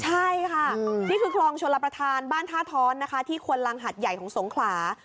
ใช่ค่ะนี่คือคลองชลประธานบ้านท่าท้อนนะคะที่ควนลังหัดใหญ่ของสงขลา